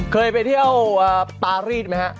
เคยไปเที่ยวปารีสไหมฮะ